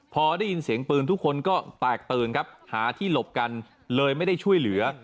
พอได้ยินเสียงปืนทุกคนก็แตกตื่นครับหาที่หลบกันเลยไม่ได้ช่วยเหลือ